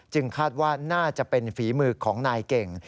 คาดว่าน่าจะเป็นฝีมือของนายเก่ง